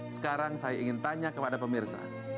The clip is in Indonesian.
sekarang saya ingin tanya kepada pemirsa